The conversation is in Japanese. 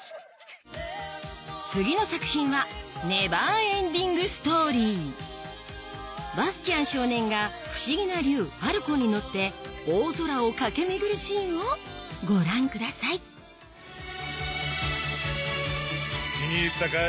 次の作品はバスチアン少年が不思議な竜ファルコンに乗って大空を駆け巡るシーンをご覧ください気に入ったかい？